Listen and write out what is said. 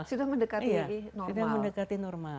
sudah mendekati normal